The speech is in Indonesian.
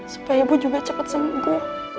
supaya ibu juga cepet sama ibu